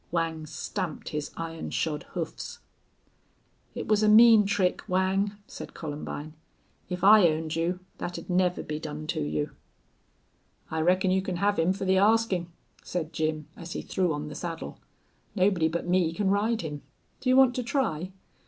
Whang stamped his iron shod hoofs. "It was a mean trick, Whang," said Columbine. "If I owned you that'd never be done to you." "I reckon you can have him fer the askin'," said Jim, as he threw on the saddle. "Nobody but me can ride him. Do you want to try?"